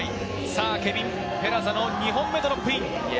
ケビン・ペラザの２本目、ドロップイン。